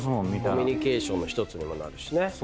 コミュニケーションの１つにもなるしね。